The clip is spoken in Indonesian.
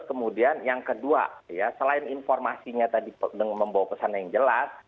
kemudian yang kedua ya selain informasinya tadi membawa pesan yang jelas